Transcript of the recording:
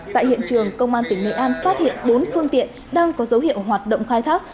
tại hiện trường công an tỉnh nghệ an phát hiện bốn phương tiện đang có dấu hiệu hoạt động khai thác